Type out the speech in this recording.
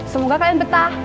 semoga kalian betah